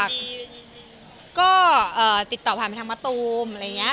ก็ติดต่อผ่านไปทางมะตูมอะไรอย่างนี้